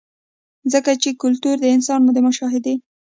ځکه چې کلتور د انسان د مشاهدې